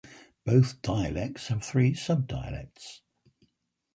Both dialects have three subdialects.